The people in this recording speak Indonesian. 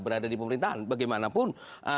berada di pemerintahan bagaimanapun